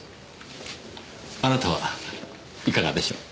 あなたはいかがでしょう？